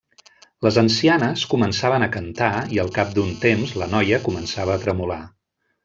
Les ancianes començaven a cantar i al cap d'un temps la noia començava a tremolar.